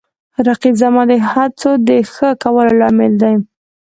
رقیب زما د هڅو د ښه کولو لامل دی